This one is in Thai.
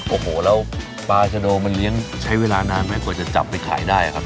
โอ้โหแล้วปลาชะโดมันเลี้ยงใช้เวลานานไหมกว่าจะจับไปขายได้ครับ